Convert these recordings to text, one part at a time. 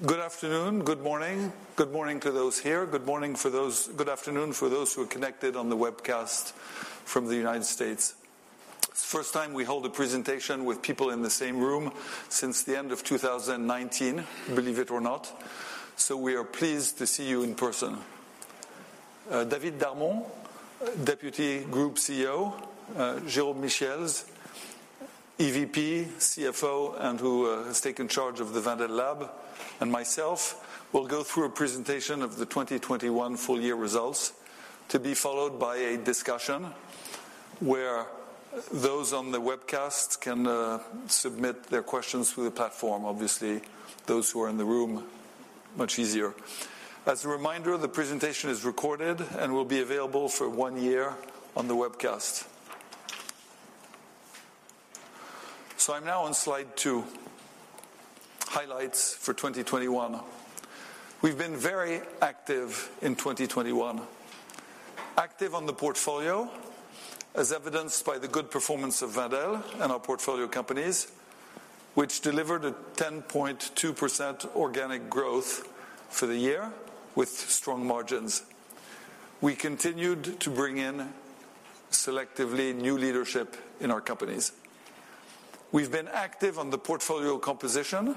Hello, everyone. Good afternoon, good morning. Good morning to those here. Good afternoon for those who are connected on the webcast from the United States. It's the first time we hold a presentation with people in the same room since the end of 2019, believe it or not, so we are pleased to see you in person. David Darmon, Group Deputy CEO, Jérôme Michiels, Executive Vice-President, CFO, who has taken charge of the Wendel Lab, and myself will go through a presentation of the 2021 full year results to be followed by a discussion where those on the webcast can submit their questions through the platform. Obviously, those who are in the room, much easier. As a reminder, the presentation is recorded and will be available for one year on the webcast. I'm now on slide two, highlights for 2021. We've been very active in 2021. Active on the portfolio, as evidenced by the good performance of Wendel and our portfolio companies, which delivered a 10.2% organic growth for the year with strong margins. We continued to bring in selectively new leadership in our companies. We've been active on the portfolio composition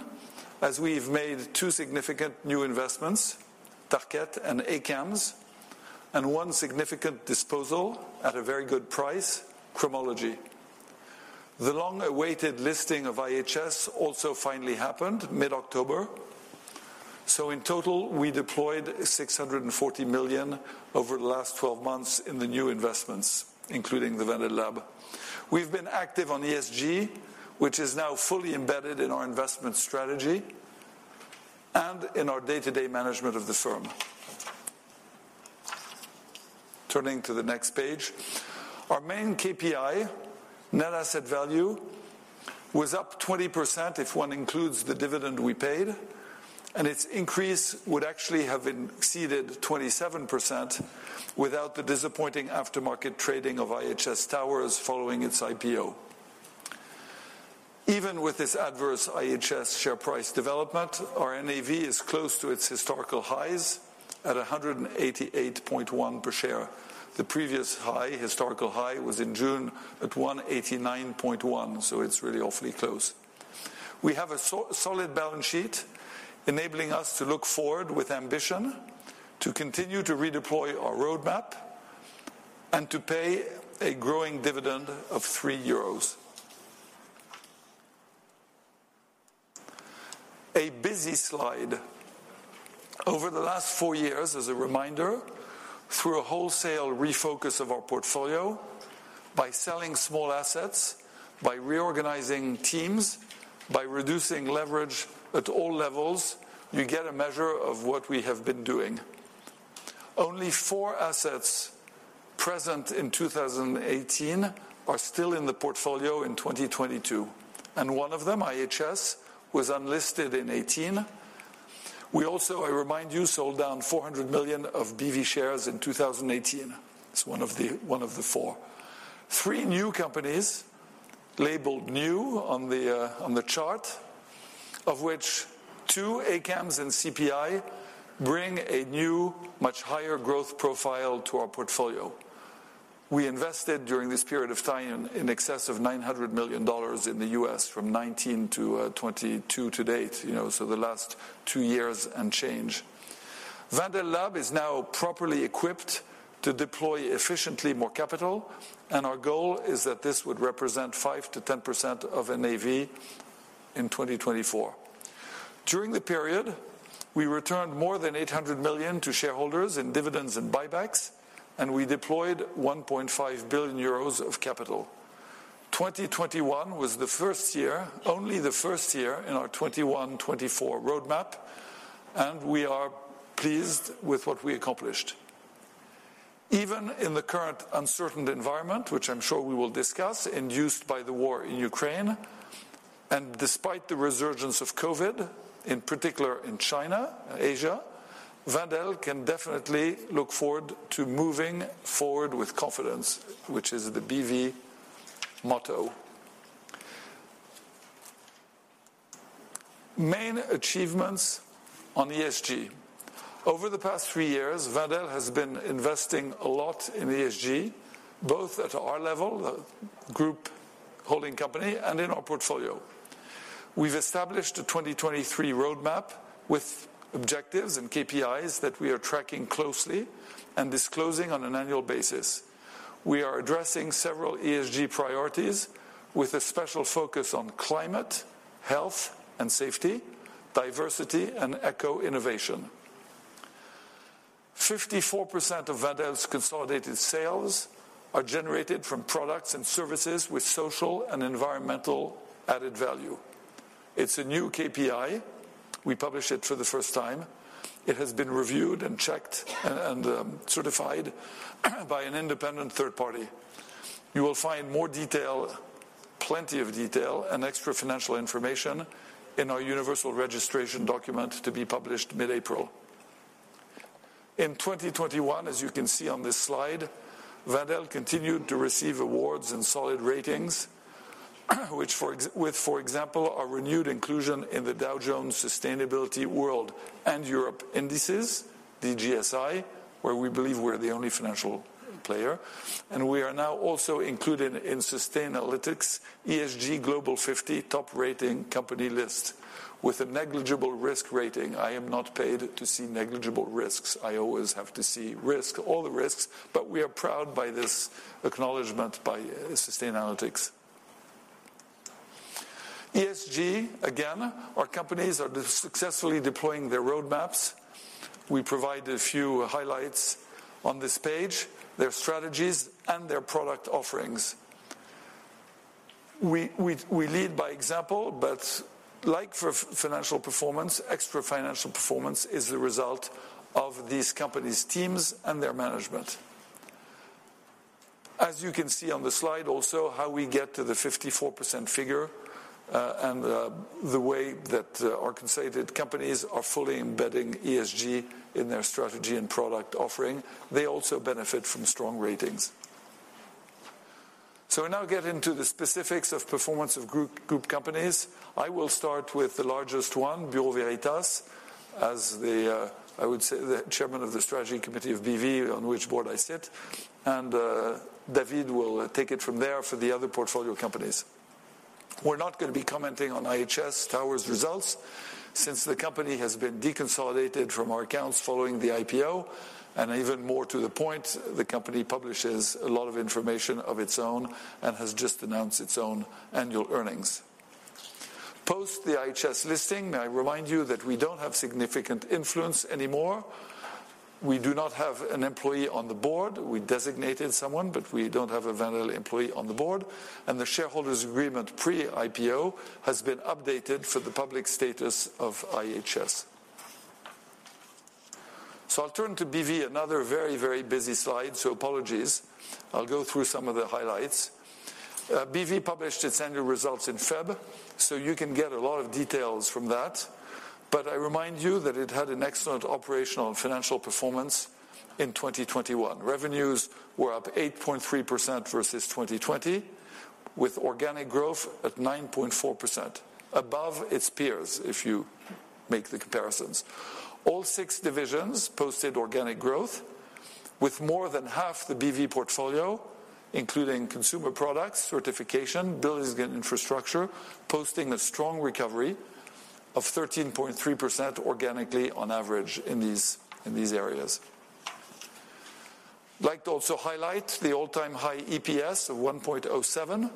as we've made two significant new investments, Tarkett and ACAMS, and one significant disposal at a very good price, Cromology. The long-awaited listing of IHS also finally happened mid-October. In total, we deployed 640 million over the last 12 months in the new investments, including the Wendel Lab. We've been active on ESG, which is now fully embedded in our investment strategy and in our day-to-day management of the firm. Turning to the next page. Our main KPI, net asset value, was up 20% if one includes the dividend we paid, and its increase would actually have exceeded 27% without the disappointing aftermarket trading of IHS Towers following its IPO. Even with this adverse IHS share price development, our NAV is close to its historical highs at 188.1 per share. The previous high, historical high, was in June at 189.1, so it's really awfully close. We have a so solid balance sheet enabling us to look forward with ambition, to continue to redeploy our roadmap, and to pay a growing dividend of 3 euros. A busy slide. Over the last four years, as a reminder, through a wholesale refocus of our portfolio, by selling small assets, by reorganizing teams, by reducing leverage at all levels, you get a measure of what we have been doing. Only four assets present in 2018 are still in the portfolio in 2022, and one of them, IHS was unlisted in 2018. We also, I remind you sold down 400 million of BV shares in 2018. It's one of the four. Three new companies labeled new on the chart, of which two, ACAMS and CPI, bring a new, much higher growth profile to our portfolio. We invested during this period of time in excess of $900 million in the U.S. from 2019 to 2022 to date. You know, so the last two years and change. Wendel Lab is now properly equipped to deploy efficiently more capital, and our goal is that this would represent 5%-10% of NAV in 2024. During the period, we returned more than 800 million to shareholders in dividends and buybacks, and we deployed 1.5 billion euros of capital. 2021 was the first year only the first year in our 2021 2024 roadmap, and we are pleased with what we accomplished. Even in the current uncertain environment, which I'm sure we will discuss induced by the war in Ukraine, and despite the resurgence of COVID, in particular in China, Asia, Wendel can definitely look forward to moving forward with confidence, which is the BV motto. Main achievements on ESG. Over the past three years, Wendel has been investing a lot in ESG, both at our level the group holding company, and in our portfolio. We've established a 2023 roadmap with objectives and KPIs that we are tracking closely and disclosing on an annual basis. We are addressing several ESG priorities with a special focus on climate, health, safety, diversity, and eco-innovation. 54% of Wendel's consolidated sales are generated from products and services with social and environmental added value. It's a new KPI we publish it for the first time it has been reviewed and checked and certified by an independent third party. You will find more detail, plenty of detail and extra financial information in our universal registration document to be published mid-April. In 2021, as you can see on this slide, Wendel continued to receive awards and solid ratings, which with, for example, a renewed inclusion in the Dow Jones Sustainability World and Europe Indices, the DJSI, where we believe we're the only financial player. We are now also included in Sustainalytics ESG Global 50 top rating company list with a negligible risk rating. I am not paid to see negligible risks. I always have to see risk, all the risks, but we are proud by this acknowledgement by Sustainalytics. ESG, again, our companies are successfully deploying their roadmaps. We provide a few highlights on this page, their strategies, and their product offerings. We lead by example, but like for financial performance, extra financial performance is the result of these companies' teams and their management. As you can see on the slide also, how we get to the 54% figure, and the way that our consolidated companies are fully embedding ESG in their strategy and product offering. They also benefit from strong ratings. We now get into the specifics of performance of group companies. I will start with the largest one, Bureau Veritas, as the, I would say, the chairman of the strategy committee of BV, on which board I sit. David will take it from there for the other portfolio companies. We're not gonna be commenting on IHS Towers results since the company has been deconsolidated from our accounts following the IPO. Even more to the point, the company publishes a lot of information of its own and has just announced its own annual earnings. Post the IHS listing, I remind you that we don't have significant influence anymore. We do not have an employee on the board. We designated someone, but we don't have a Wendel employee on the board, and the shareholders agreement pre-IPO has been updated for the public status of IHS. I'll turn to BV, another very, very busy slide. Apologies. I'll go through some of the highlights. BV published its annual results in February, so you can get a lot of details from that. I remind you that it had an excellent operational and financial performance in 2021. Revenues were up 8.3% versus 2020, with organic growth at 9.4%, above its peers if you make the comparisons. All six divisions posted organic growth with more than half the BV portfolio, including consumer products, certification, buildings and infrastructure, posting a strong recovery of 13.3% organically on average in these areas. I'd like to also highlight the all-time high EPS of 1.07,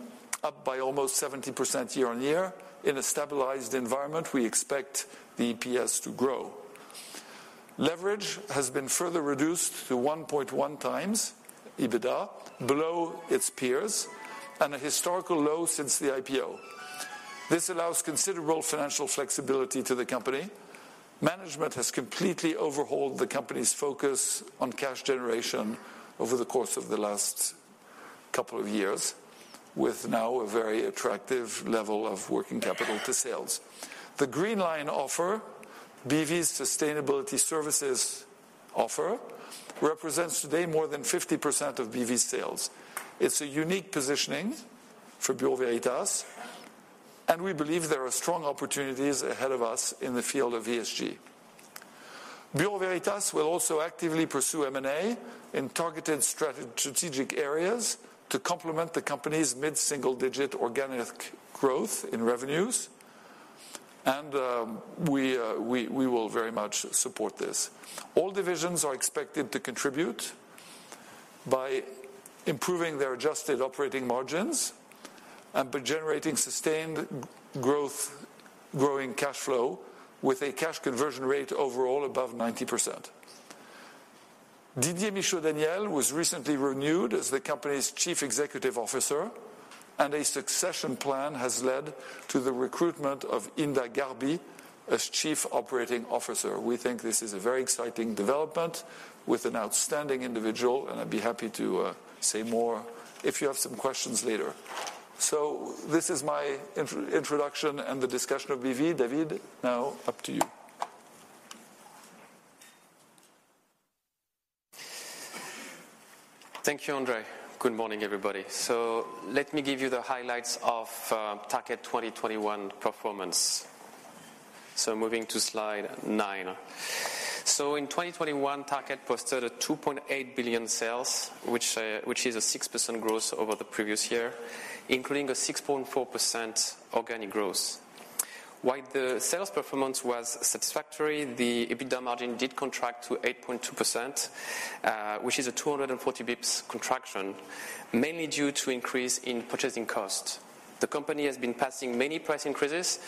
up by almost 70% year-on-year. In a stabilized environment, we expect the EPS to grow. Leverage has been further reduced to 1.1x EBITDA, below its peers, and a historical low since the IPO. This allows considerable financial flexibility to the company. Management has completely overhauled the company's focus on cash generation over the course of the last couple of years, with now a very attractive level of working capital to sales. The Green Line offer, BV's sustainability services offer, represents today more than 50% of BV's sales. It's a unique positioning for Bureau Veritas, and we believe there are strong opportunities ahead of us in the field of ESG. Bureau Veritas will also actively pursue M&A in targeted strategic areas to complement the company's mid-single digit organic growth in revenues, and we will very much support this. All divisions are expected to contribute by improving their adjusted operating margins and by generating sustained growth, growing cash flow with a cash conversion rate overall above 90%. Didier Michaud-Daniel was recently renewed as the company's Chief Executive Officer, and a succession plan has led to the recruitment of Hinda Gharbi as Chief Operating Officer. We think this is a very exciting development with an outstanding individual, and I'd be happy to say more if you have some questions later. This is my introduction and the discussion of BV. David, now up to you. Thank you, André. Good morning, everybody. Let me give you the highlights of Tarkett 2021 performance. Moving to slide nine. In 2021, Tarkett posted 2.8 billion sales, which is a 6% growth over the previous year, including a 6.4% organic growth. While the sales performance was satisfactory, the EBITDA margin did contract to 8.2%, which is a 240 basis points contraction, mainly due to increase in purchasing costs. The company has been passing many price increases,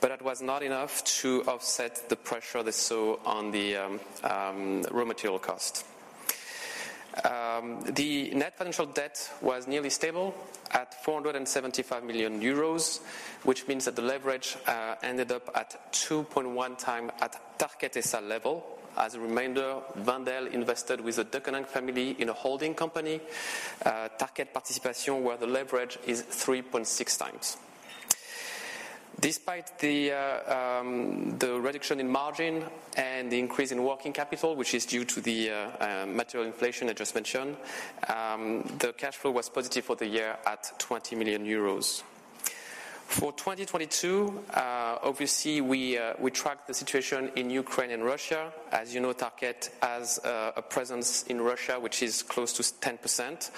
but it was not enough to offset the pressure they saw on the raw material cost. The net financial debt was nearly stable at 475 million euros, which means that the leverage ended up at 2.1x at Tarkett sales level. As a reminder, Wendel invested with the Deconinck family in a holding company, Tarkett Participation, where the leverage is 3.6x. Despite the reduction in margin and the increase in working capital, which is due to the material inflation I just mentioned, the cash flow was positive for the year at 20 million euros. For 2022, obviously we tracked the situation in Ukraine and Russia. As you know, Tarkett has a presence in Russia, which is close to 10%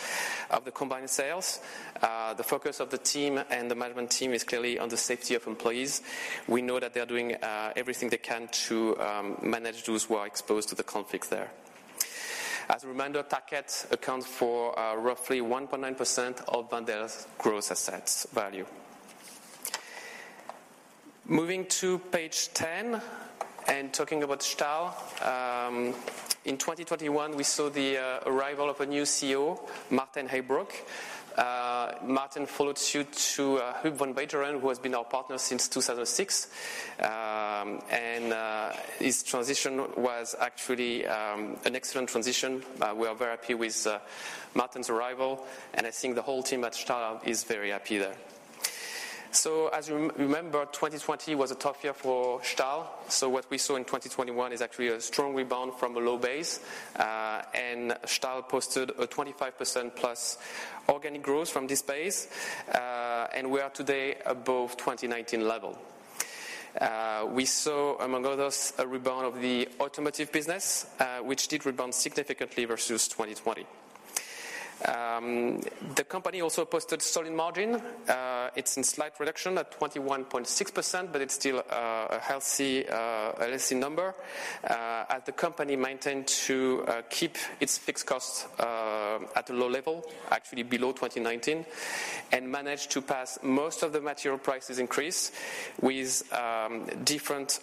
of the combined sales. The focus of the team and the management team is clearly on the safety of employees. We know that they're doing everything they can to manage those who are exposed to the conflict there. As a reminder, Tarkett accounts for roughly 1.9% of Wendel's gross assets value. Moving to page 10 and talking about Stahl. In 2021, we saw the arrival of a new CEO, Maarten Heijbroek. Maarten followed suit to Huub van Beijeren, who has been our partner since 2006. And his transition was actually an excellent transition. We are very happy with Maarten's arrival, and I think the whole team at Stahl is very happy there. As you remember, 2020 was a tough year for Stahl what we saw in 2021 is actually a strong rebound from a low base. And Stahl posted a 25%+ organic growth from this base. And we are today above 2019 level. We saw, among others, a rebound of the automotive business, which did rebound significantly versus 2020. The company also posted solid margin it's in slight reduction at 21.6%, but it's still a healthy number, at the company maintained to keep its fixed costs at a low level, actually below 2019, and managed to pass most of the material prices increase with different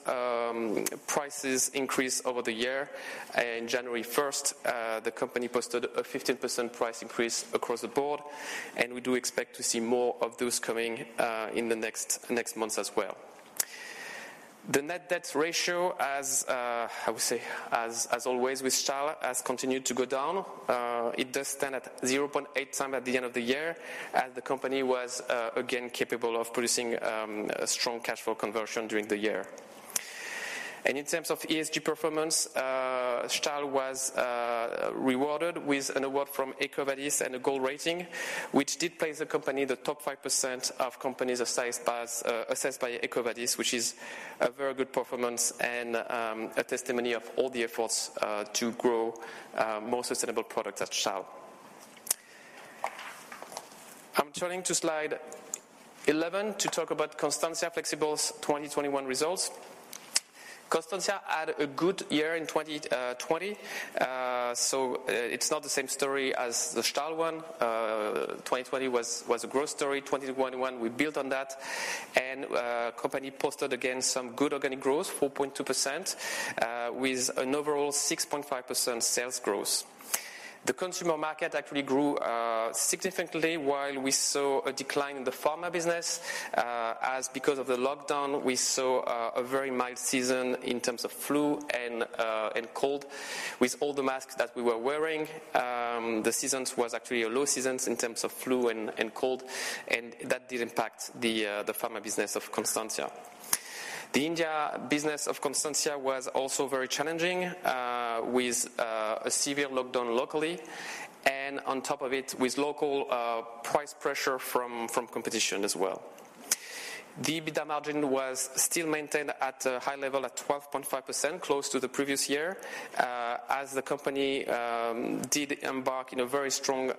prices increase over the year. January 1st, the company posted a 15% price increase across the board, and we do expect to see more of those coming in the next months as well. The net debt ratio, as I would say, as always with Stahl, has continued to go down. It does stand at 0.8x at the end of the year as the company was again capable of producing a strong cash flow conversion during the year. In terms of ESG performance, Stahl was rewarded with an award from EcoVadis and a gold rating, which did place the company in the top 5% of companies of similar size assessed by EcoVadis, which is a very good performance and a testimony of all the efforts to grow more sustainable products at Stahl. I'm turning to slide 11 to talk about Constantia Flexibles's 2021 results. Constantia had a good year in 2020 it's not the same story as the Stahl one 2020 was a growth story. 2021, we built on that, and company posted again some good organic growth, 4.2%, with an overall 6.5% sales growth. The consumer market actually grew significantly while we saw a decline in the pharma business because of the lockdown, we saw a very mild season in terms of flu and cold. With all the masks that we were wearing, the season was actually a low season in terms of flu and cold, and that did impact the pharma business of Constantia. The India business of Constantia was also very challenging with a severe lockdown locally and on top of it with local price pressure from competition as well. The EBITDA margin was still maintained at a high level at 12.5%, close to the previous year, as the company did embark in a very strong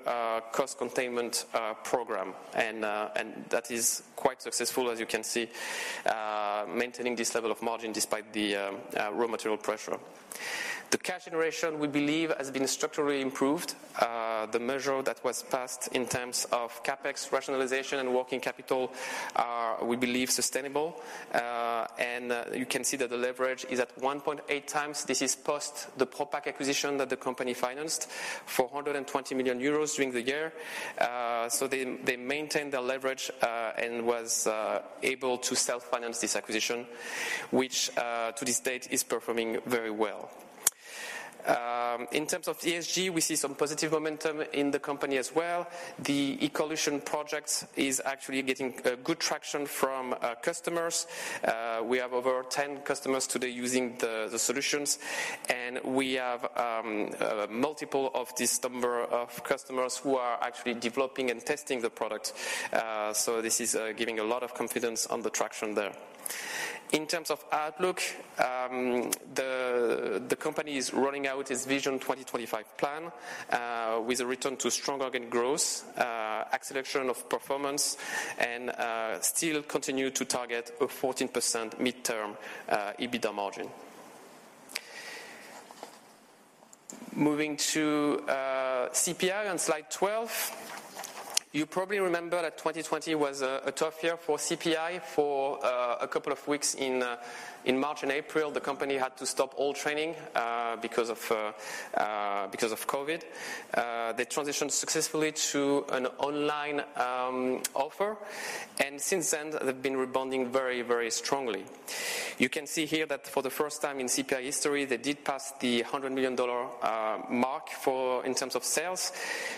cost containment program. That is quite successful, as you can see, maintaining this level of margin despite the raw material pressure. The cash generation, we believe, has been structurally improved. The measure that was passed in terms of CapEx rationalization and working capital are, we believe, sustainable. You can see that the leverage is at 1.8x this is post the [Propak] acquisition that the company financed for 120 million euros during the year. They maintained their leverage and was able to self-finance this acquisition, which to this date is performing very well. In terms of ESG, we see some positive momentum in the company as well. The Ecolution project is actually getting good traction from customers. We have over 10 customers today using the solutions, and we have multiple of this number of customers who are actually developing and testing the product. So this is giving a lot of confidence on the traction there. In terms of outlook, the company is rolling out its Vision 2025 plan with a return to strong organic growth, acceleration of performance, and still continue to target a 14% midterm EBITDA margin. Moving to CPI on slide 12. You probably remember that 2020 was a tough year for CPI. For a couple of weeks in March and April, the company had to stop all training because of COVID. They transitioned successfully to an online offer. Since then, they've been rebounding very strongly. You can see here that for the first time in CPI history, they did pass the hundred million dollar mark in terms of sales,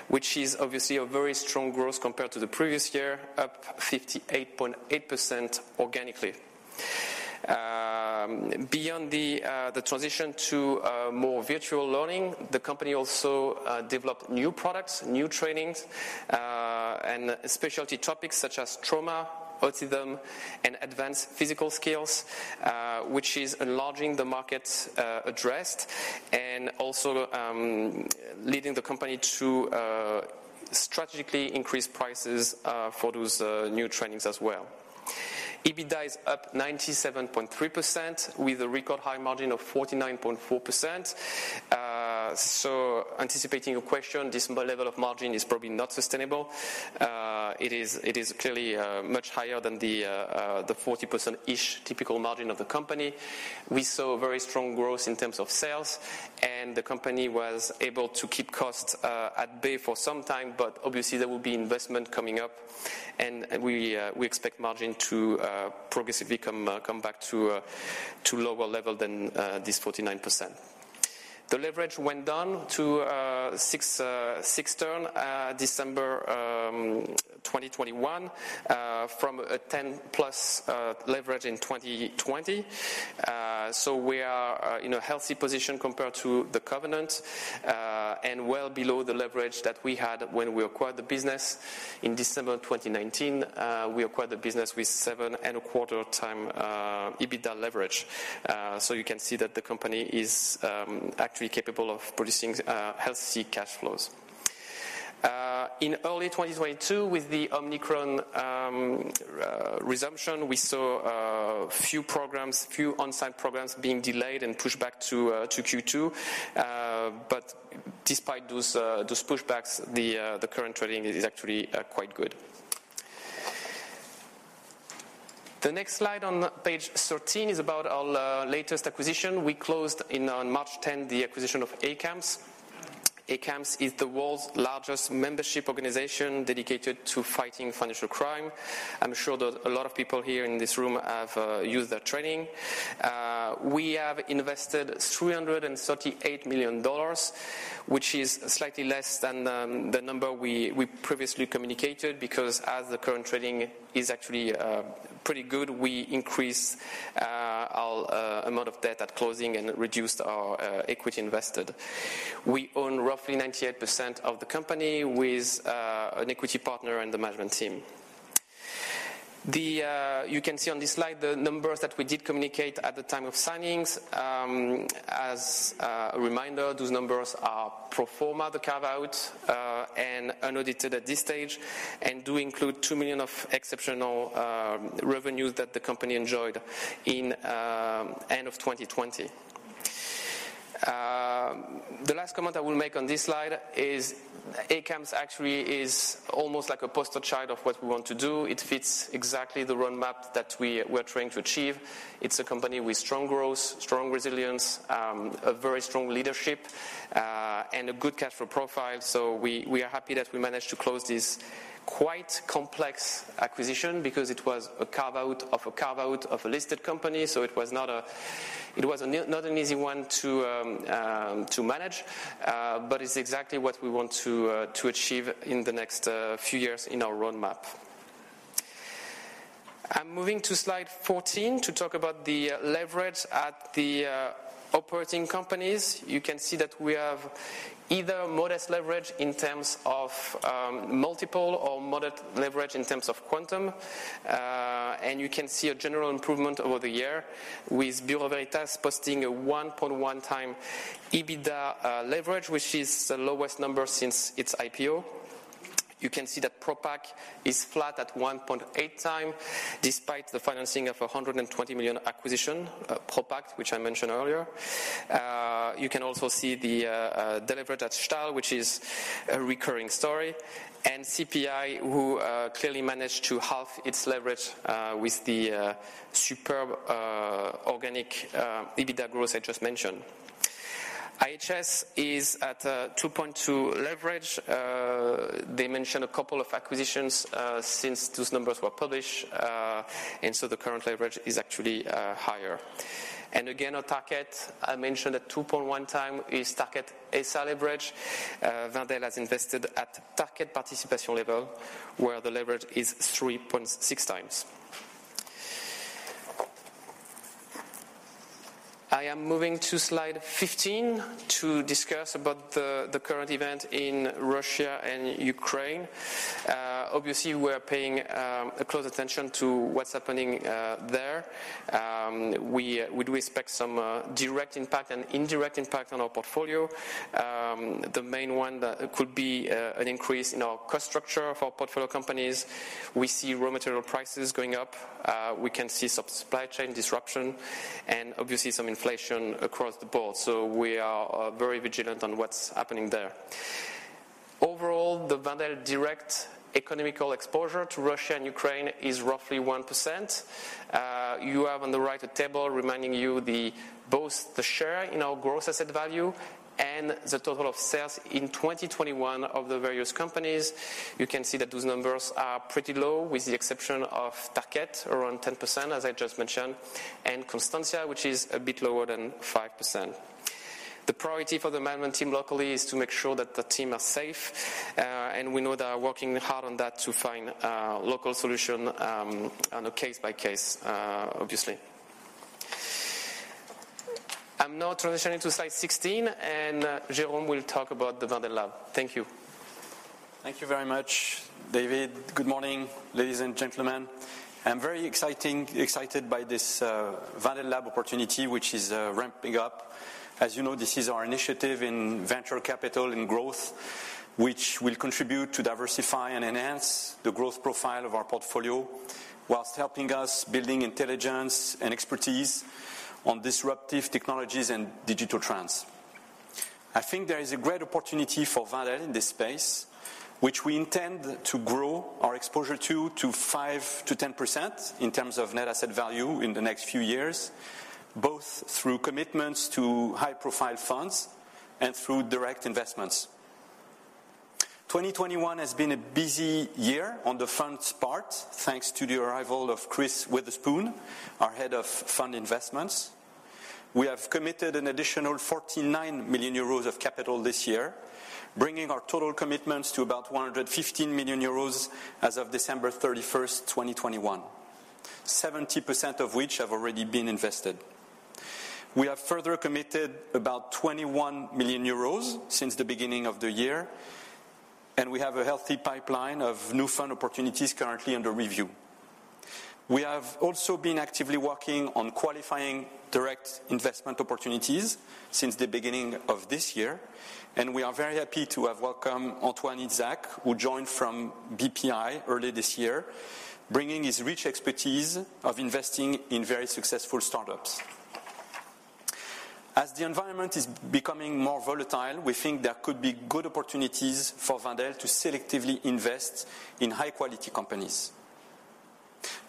which is obviously a very strong growth compared to the previous year, up 58.8% organically. Beyond the transition to more virtual learning, the company also developed new products, new trainings, and specialty topics such as trauma, autism, and advanced physical skills, which is enlarging the market addressed and also leading the company to strategically increase prices for those new trainings as well. EBITDA is up 97.3% with a record high margin of 49.4%. Anticipating your question, this level of margin is probably not sustainable. It is clearly much higher than the 40% typical margin of the company. We saw very strong growth in terms of sales, and the company was able to keep costs at bay for some time, but obviously there will be investment coming up. We expect margin to progressively come back to lower level than this 49%. The leverage went down to [6x] in December 2021 from a 10+ leverage in 2020. We are in a healthy position compared to the covenant and well below the leverage that we had when we acquired the business in December 2019. We acquired the business with 7.25x EBITDA leverage. You can see that the company is actually capable of producing healthy cash flows. In early 2022, with the Omicron resumption, we saw a few on-site programs being delayed and pushed back to Q2. Despite those pushbacks, the current trading is actually quite good. The next slide on page 13 is about our latest acquisition. We closed in on March 10 the acquisition of ACAMS. ACAMS is the world's largest membership organization dedicated to fighting financial crime. I'm sure that a lot of people here in this room have used their training. We have invested $338 million, which is slightly less than the number we previously communicated, because as the current trading is actually pretty good, we increase our amount of debt at closing and reduced our equity invested. We own roughly 98% of the company with an equity partner and the management team. You can see on this slide the numbers that we did communicate at the time of signings. As a reminder, those numbers are pro forma, the carve-out, and unaudited at this stage and do include $2 million of exceptional revenues that the company enjoyed in end of 2020. The last comment I will make on this slide is ACAMS actually is almost like a poster child of what we want to do. It fits exactly the roadmap that we're trying to achieve. It's a company with strong growth, strong resilience, a very strong leadership, and a good cash flow profile. We are happy that we managed to close this quite complex acquisition because it was a carve-out of a carve-out of a listed company. It was not an easy one to manage, but it's exactly what we want to achieve in the next few years in our roadmap. I'm moving to slide 14 to talk about the leverage at the operating companies. You can see that we have either modest leverage in terms of multiple or moderate leverage in terms of quantum. You can see a general improvement over the year with Bureau Veritas posting a 1.1x EBITDA leverage, which is the lowest number since its IPO. You can see that Propak is flat at 1.8x despite the financing of 120 million acquisition, Propak, which I mentioned earlier. You can also see the deleveraging at Stahl, which is a recurring story. CPI, who clearly managed to halve its leverage with the superb organic EBITDA growth I just mentioned. IHS is at 2.2x leverage. They mentioned a couple of acquisitions since those numbers were published, and the current leverage is actually higher. Again, on Tarkett, I mentioned that 2.1x is Tarkett SA leverage. Wendel has invested at Tarkett Participation level, where the leverage is 3.6x. I am moving to slide 15 to discuss the current events in Russia and Ukraine. Obviously we're paying a close attention to what's happening there. We would expect some direct impact and indirect impact on our portfolio. The main one that could be an increase in our cost structure of our portfolio companies. We see raw material prices going up. We can see some supply chain disruption and obviously some inflation across the board. We are very vigilant on what's happening there. Overall, the Wendel direct economic exposure to Russia and Ukraine is roughly 1%. You have on the right a table reminding you the share in our gross asset value and the total of sales in 2021 of the various companies. You can see that those numbers are pretty low, with the exception of Tarkett, around 10%, as I just mentioned, and Constantia, which is a bit lower than 5%. The priority for the management team locally is to make sure that the team are safe. We know they are working hard on that to find local solution on a case-by-case, obviously. I'm now transitioning to slide 16, and Jérôme will talk about the Wendel Lab. Thank you. Thank you very much, David. Good morning, ladies and gentlemen. I'm very excited by this Wendel Lab opportunity, which is ramping up. As you know, this is our initiative in venture capital and growth, which will contribute to diversify and enhance the growth profile of our portfolio while helping us building intelligence and expertise on disruptive technologies and digital trends. I think there is a great opportunity for Wendel in this space, which we intend to grow our exposure to 5%-10% in terms of net asset value in the next few years, both through commitments to high-profile funds and through direct investments. 2021 has been a busy year on the funds part, thanks to the arrival of Chris Witherspoon, our Head of Fund Investments. We have committed an additional 49 million euros of capital this year, bringing our total commitments to about 115 million euros as of December 31st, 2021, 70% of which have already been invested. We have further committed about 21 million euros since the beginning of the year, and we have a healthy pipeline of new fund opportunities currently under review. We have also been actively working on qualifying direct investment opportunities since the beginning of this year, and we are very happy to have welcomed Antoine Izsak, who joined from BPI early this year, bringing his rich expertise of investing in very successful startups. As the environment is becoming more volatile, we think there could be good opportunities for Wendel to selectively invest in high-quality companies.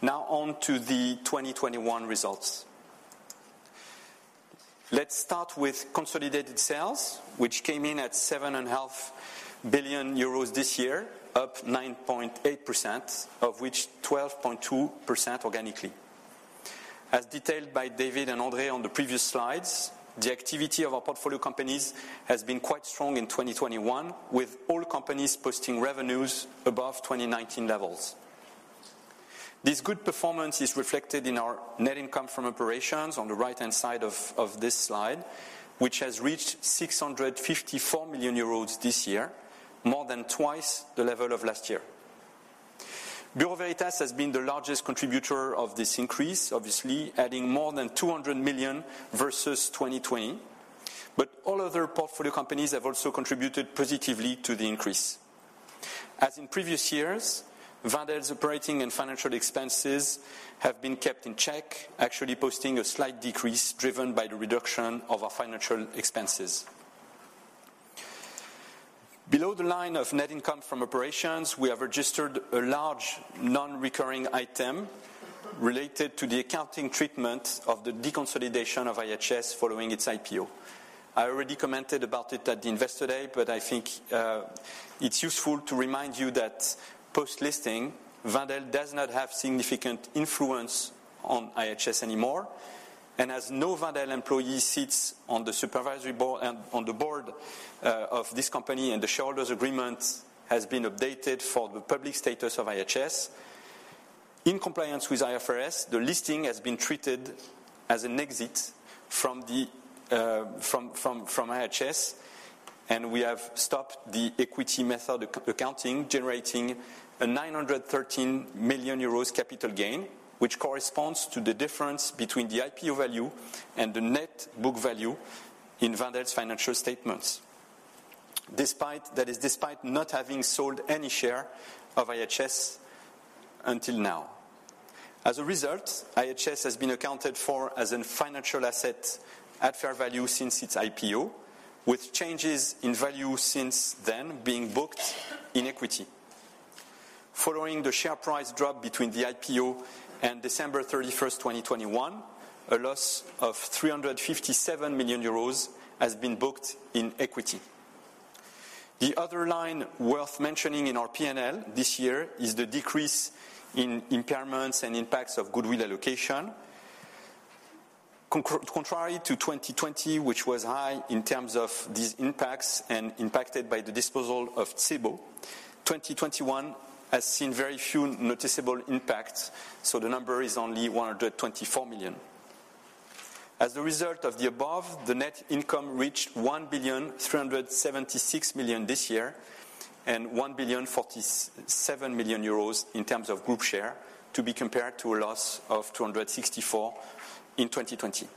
Now on to the 2021 results. Let's start with consolidated sales, which came in at 7.5 billion euros this year, up 9.8%, of which 12.2% organically. As detailed by David and Andre on the previous slides, the activity of our portfolio companies has been quite strong in 2021, with all companies posting revenues above 2019 levels. This good performance is reflected in our net income from operations on the right-hand side of this slide, which has reached 654 million euros this year, more than twice the level of last year. Bureau Veritas has been the largest contributor of this increase, obviously adding more than 200 million versus 2020. All other portfolio companies have also contributed positively to the increase. As in previous years, Wendel's operating and financial expenses have been kept in check, actually posting a slight decrease driven by the reduction of our financial expenses. Below the line of net income from operations, we have registered a large non-recurring item related to the accounting treatment of the deconsolidation of IHS following its IPO. I already commented about it at the Investor Day, but I think it's useful to remind you that post-listing, Wendel does not have significant influence on IHS anymore, and as no Wendel employee sits on the board of this company, and the shareholders' agreement has been updated for the public status of IHS. In compliance with IFRS, the listing has been treated as an exit from IHS, and we have stopped the equity method accounting, generating a 913 million euros capital gain, which corresponds to the difference between the IPO value and the net book value in Wendel's financial statements. That is despite not having sold any share of IHS until now. As a result, IHS has been accounted for as a financial asset at fair value since its IPO, with changes in value since then being booked in equity. Following the share price drop between the IPO and December 31st, 2021, a loss of 357 million euros has been booked in equity. The other line worth mentioning in our P&L this year is the decrease in impairments and impacts of goodwill allocation. Contrary to 2020, which was high in terms of these impacts and impacted by the disposal of Cibo, 2021 has seen very few noticeable impacts, so the number is only 124 million. As a result of the above, the net income reached 1,376,000,000 billion this year and 1,047,000,000 billion in terms of group share, to be compared to a loss of 264 million in 2020.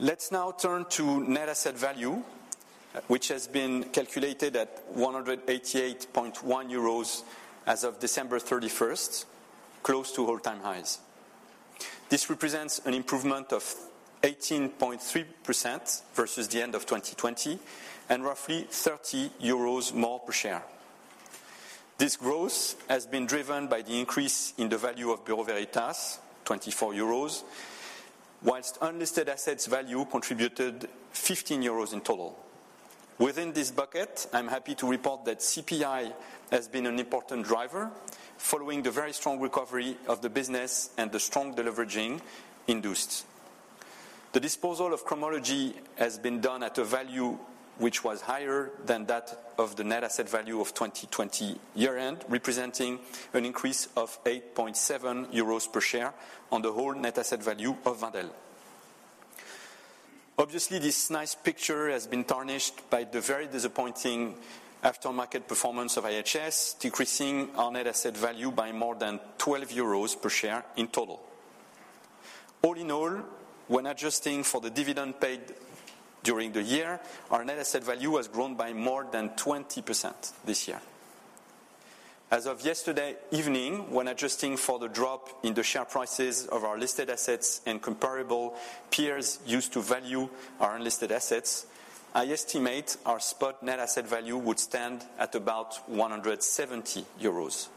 Let's now turn to net asset value, which has been calculated at 188.1 euros as of December 31st, close to all-time highs. This represents an improvement of 18.3% versus the end of 2020 and roughly 30 euros more per share. This growth has been driven by the increase in the value of Bureau Veritas, 24 euros, while unlisted assets value contributed 15 euros in total. Within this bucket, I'm happy to report that CPI has been an important driver following the very strong recovery of the business and the strong deleveraging induced. The disposal of Cromology has been done at a value which was higher than that of the net asset value of 2020 year-end, representing an increase of 8.7 euros per share on the whole net asset value of Wendel. Obviously, this nice picture has been tarnished by the very disappointing aftermarket performance of IHS, decreasing our net asset value by more than 12 euros per share in total. All in all, when adjusting for the dividend paid during the year, our net asset value has grown by more than 20% this year. As of yesterday evening, when adjusting for the drop in the share prices of our listed assets and comparable peers used to value our unlisted assets, I estimate our spot net asset value would stand at about 170 euros.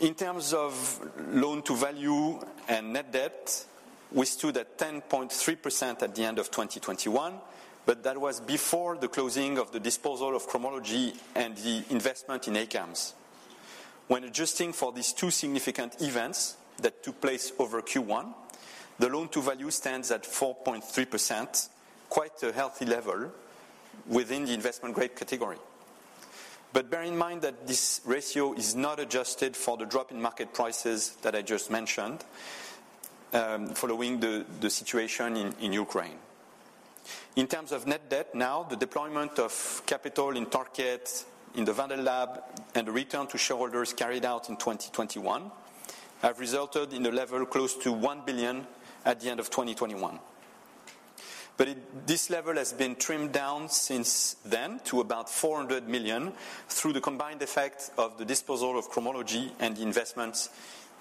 In terms of loan-to-value and net debt, we stood at 10.3% at the end of 2021, but that was before the closing of the disposal of Cromology and the investment in ACAMS. When adjusting for these two significant events that took place over Q1, the loan-to-value stands at 4.3%, quite a healthy level within the investment-grade category. Bear in mind that this ratio is not adjusted for the drop in market prices that I just mentioned, following the situation in Ukraine. In terms of net debt now, the deployment of capital in Tarkett, in the Wendel Lab, and the return to shareholders carried out in 2021 have resulted in a level close to 1 billion at the end of 2021. This level has been trimmed down since then to about 400 million through the combined effect of the disposal of Cromology and the investments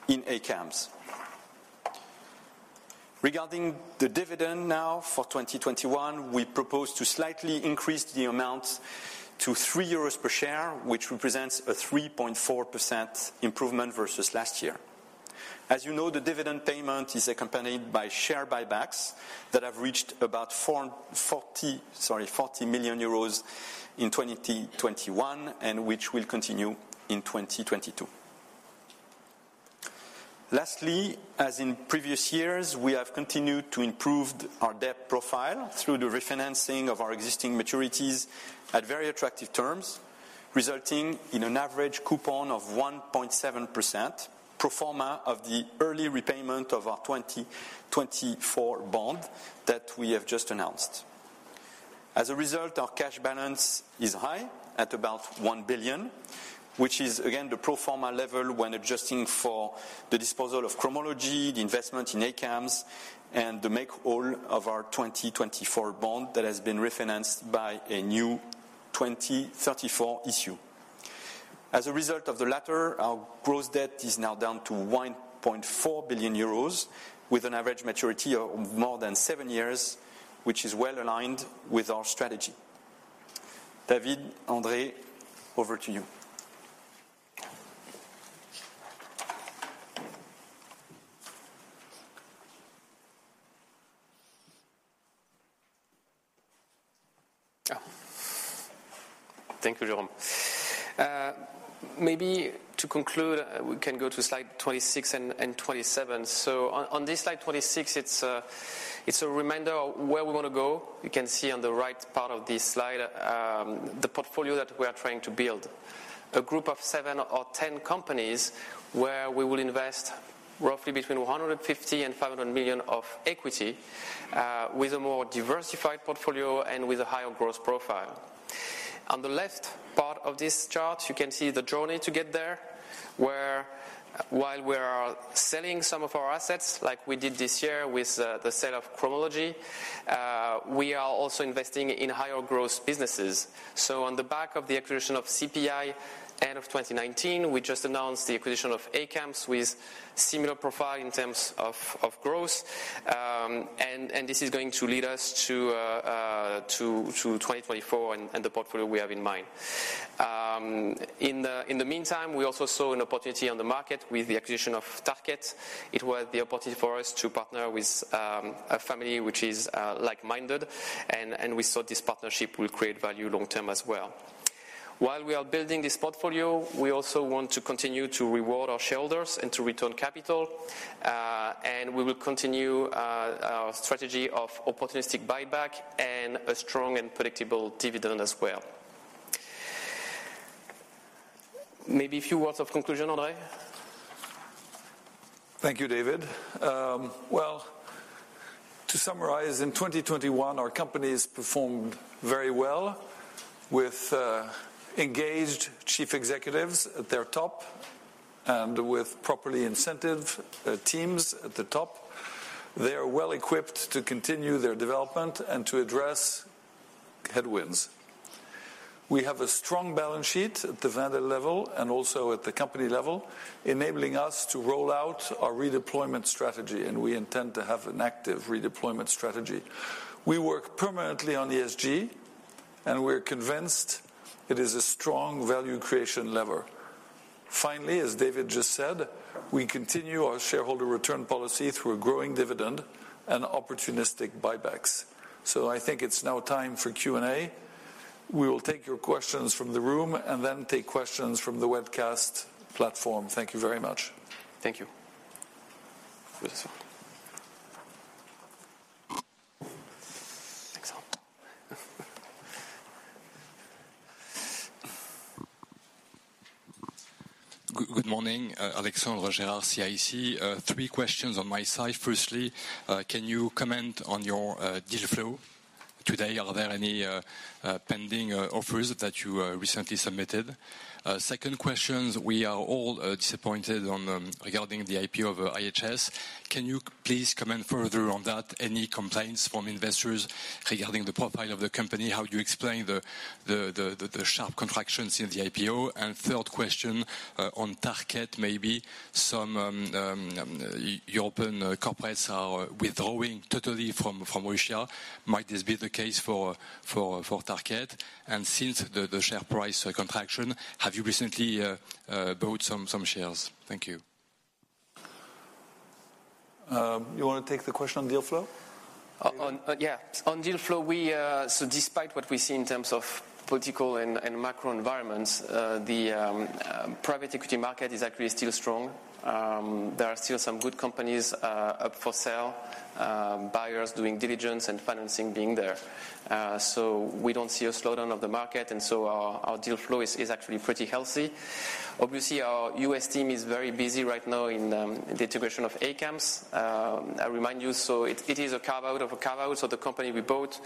in ACAMS. Regarding the dividend now for 2021, we propose to slightly increase the amount to 3 euros per share, which represents a 3.4% improvement versus last year. As you know, the dividend payment is accompanied by share buybacks that have reached about 40 million euros in 2021, and which will continue in 2022. Lastly, as in previous years, we have continued to improve our debt profile through the refinancing of our existing maturities at very attractive terms, resulting in an average coupon of 1.7% pro forma of the early repayment of our 2024 bond that we have just announced. As a result, our cash balance is high at about 1 billion, which is again the pro forma level when adjusting for the disposal of Cromology, the investment in ACAMS, and the make whole of our 2024 bond that has been refinanced by a new 2034 issue. As a result of the latter, our gross debt is now down to 1.4 billion euros with an average maturity of more than seven years, which is well aligned with our strategy. David, André, over to you. Thank you, Jérôme. Maybe to conclude, we can go to slide 26 and twenty-seven. On this slide 26, it's a reminder of where we wanna go. You can see on the right part of this slide, the portfolio that we are trying to build. A group of seven or 10 companies where we will invest roughly between 150 million and 500 million of equity, with a more diversified portfolio and with a higher growth profile. On the left part of this chart, you can see the journey to get there, where while we are selling some of our assets like we did this year with the sale of Cromology, we are also investing in higher growth businesses. On the back of the acquisition of CPI end of 2019, we just announced the acquisition of ACAMS with similar profile in terms of growth. This is going to lead us to 2024 and the portfolio we have in mind. In the meantime, we also saw an opportunity on the market with the acquisition of Tarkett. It was the opportunity for us to partner with a family which is like-minded and we thought this partnership will create value long term as well. While we are building this portfolio, we also want to continue to reward our shareholders and to return capital. We will continue our strategy of opportunistic buyback and a strong and predictable dividend as well. Maybe a few words of conclusion, André? Thank you, David. Well, to summarize, in 2021, our companies performed very well with engaged chief executives at their top and with properly incentivized teams at the top. They are well equipped to continue their development and to address headwinds. We have a strong balance sheet at the Wendel level and also at the company level, enabling us to roll out our reinvestment strategy, and we intend to have an active reinvestment strategy. We work permanently on ESG, and we're convinced it is a strong value creation lever. Finally, as David just said, we continue our shareholder return policy through a growing dividend and opportunistic buybacks. I think it's now time for Q&A. We will take your questions from the room and then take questions from the webcast platform. Thank you very much. Thank you. Good. Thanks. Good morning. Alexandre Gérard, CIC. 3 questions on my side. Firstly, can you comment on your deal flow today? Are there any pending offers that you recently submitted? Second question, we are all disappointed regarding the IPO of IHS. Can you please comment further on that? Any complaints from investors regarding the profile of the company? How do you explain the sharp contractions in the IPO? Third question, on Tarkett, maybe some European corporates are withdrawing totally from Russia. Might this be the case for Tarkett? And since the share price contraction, have you recently bought some shares? Thank you. You wanna take the question on deal flow? On deal flow, despite what we see in terms of political and macro environments, the private equity market is actually still strong. There are still some good companies up for sale, buyers doing diligence and financing being there. We don't see a slowdown of the market, and so our deal flow is actually pretty healthy. Obviously, our U.S. team is very busy right now in the integration of ACAMS. I remind you, so it is a carve-out of a carve-out, so the company we bought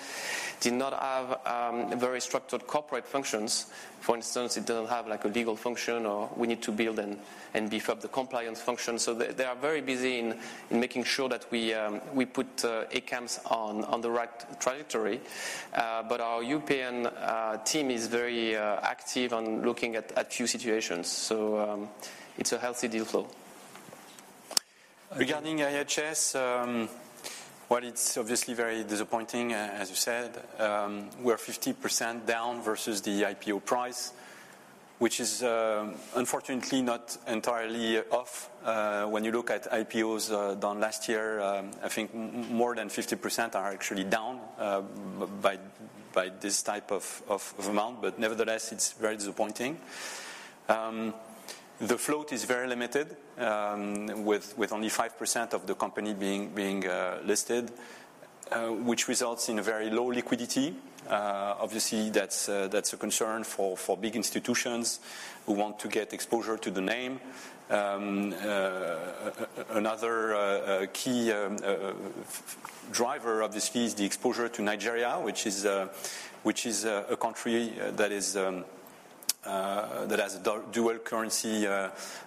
did not have very structured corporate functions. For instance, it doesn't have, like, a legal function or we need to build and beef up the compliance function. They are very busy in making sure that we put ACAMS on the right trajectory. But our European team is very active on looking at few situations. It's a healthy deal flow. Regarding IHS, well, it's obviously very disappointing, as you said. We're 50% down versus the IPO price, which is, unfortunately not entirely off. When you look at IPOs done last year, I think more than 50% are actually down by this type of amount. Nevertheless, it's very disappointing. The float is very limited with only 5% of the company being listed, which results in a very low liquidity. Obviously that's a concern for big institutions who want to get exposure to the name. Another key driver of this fall is the exposure to Nigeria, which is a country that has a dual currency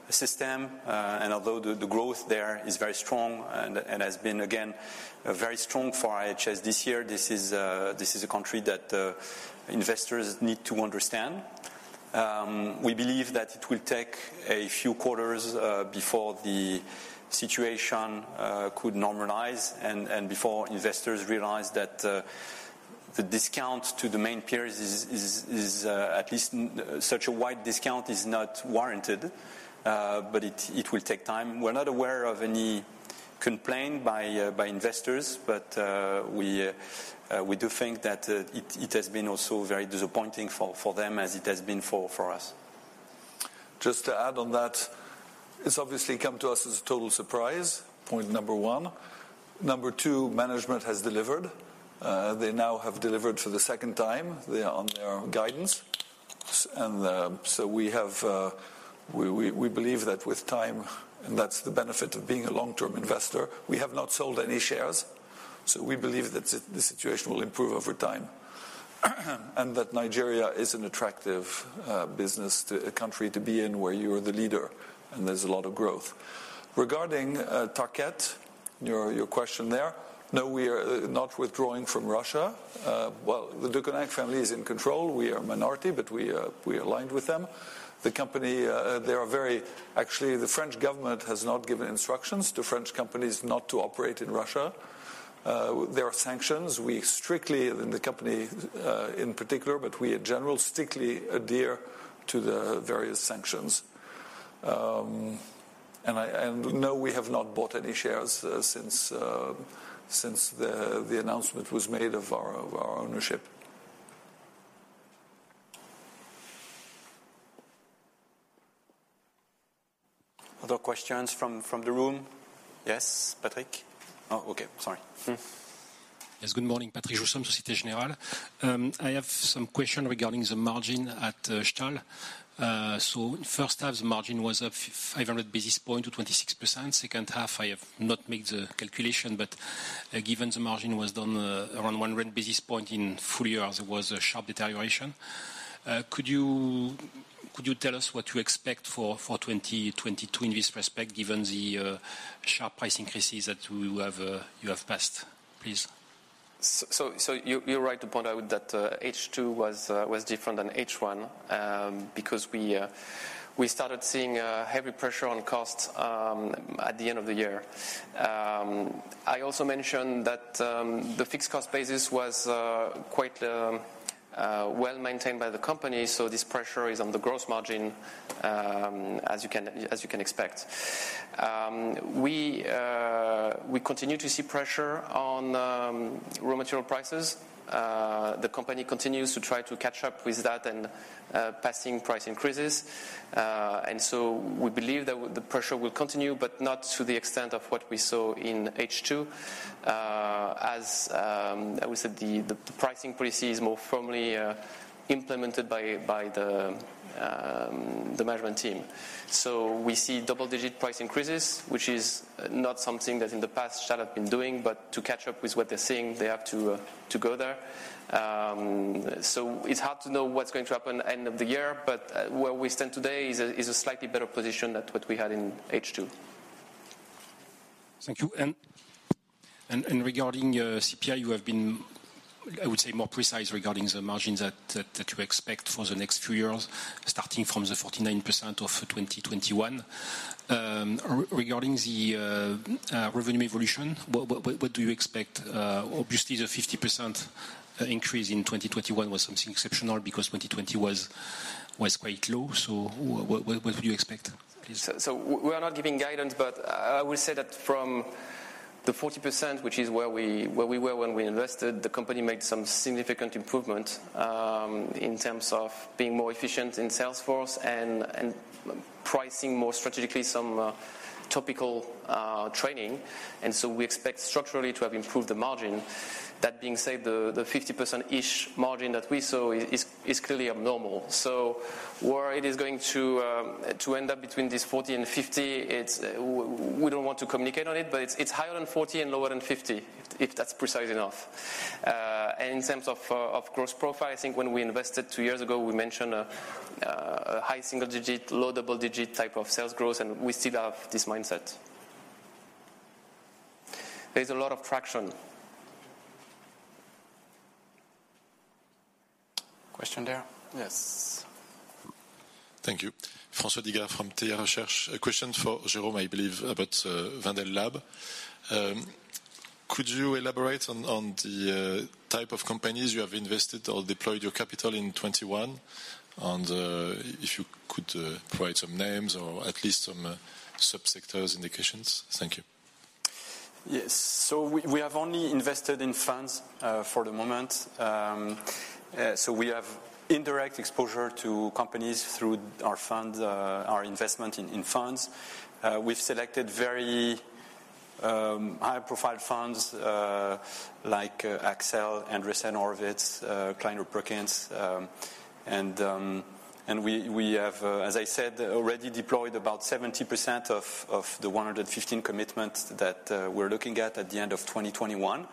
system. Although the growth there is very strong and has been very strong for IHS this year, this is a country that investors need to understand. We believe that it will take a few quarters before the situation could normalize and before investors realize that the discount to the main peers is such a wide discount is not warranted. It will take time. We're not aware of any complaint by investors, but we do think that it has been also very disappointing for them as it has been for us. Just to add on that, it's obviously come to us as a total surprise, point number one. Number two, management has delivered. They now have delivered for the second time on their guidance. So we believe that with time, and that's the benefit of being a long-term investor, we have not sold any shares. So we believe that the situation will improve over time and that Nigeria is an attractive business to a country to be in where you are the leader and there's a lot of growth. Regarding Tarkett, your question there, no, we are not withdrawing from Russia. Well, the Deconinck family is in control. We are minority, but we aligned with them. The company, they are very... Actually, the French government has not given instructions to French companies not to operate in Russia. There are sanctions. We strictly, and the company, in particular, but we in general strictly adhere to the various sanctions. No, we have not bought any shares since the announcement was made of our ownership. Other questions from the room? Yes, Patrick. Oh, okay. Sorry. Yes. Good morning, Patrick Jousseaume, Société Générale. I have some question regarding the margin at Stahl. First half, the margin was up 500 basis points to 26%. Second half, I have not made the calculation, but given the margin was down around 100 basis points in full year, as it was a sharp deterioration. Could you tell us what you expect for 2022 in this respect, given the sharp price increases that you have passed, please? You are right to point out that H2 was different than H1 because we started seeing heavy pressure on costs at the end of the year. I also mentioned that the fixed cost basis was quite well-maintained by the company, so this pressure is on the gross margin as you can expect. We continue to see pressure on raw material prices. The company continues to try to catch up with that and passing price increases. We believe that the pressure will continue, but not to the extent of what we saw in H2. As I said, the pricing policy is more firmly implemented by the management team. We see double-digit price increases, which is not something that in the past Stahl have been doing. To catch up with what they're seeing, they have to go there. It's hard to know what's going to happen end of the year, but where we stand today is a slightly better position than what we had in H2. Thank you. Regarding CPI, you have been, I would say, more precise regarding the margins that you expect for the next few years, starting from the 49% of 2021. Regarding the revenue evolution, what do you expect? Obviously the 50% increase in 2021 was something exceptional because 2020 was quite low. What would you expect, please? We are not giving guidance, but I would say that from the 40%, which is where we were when we invested, the company made some significant improvement in terms of being more efficient in sales force and pricing more strategically some topical training. We expect structurally to have improved the margin. That being said, the 50% margin that we saw is clearly abnormal. Where it is going to end up between this 40% and 50%. We don't want to communicate on it. It's higher than 40% and lower than 50%, if that's precise enough. In terms of growth profile, I think when we invested two years ago, we mentioned a high single digit, low double digit type of sales growth, and we still have this mindset. There's a lot of traction. Question there? Yes. Thank you. François Digard from TR Research. A question for Jérôme, I believe, about Wendel Lab. Could you elaborate on the type of companies you have invested or deployed your capital in 2021? If you could provide some names or at least some subsectors indications. Thank you. Yes. We have only invested in funds for the moment. We have indirect exposure to companies through our funds, our investment in funds. We've selected very high-profile funds like Accel, Andreessen Horowitz, Kleiner Perkins. We have, as I said, already deployed about 70% of the 115 commitments that we're looking at at the end of 2021.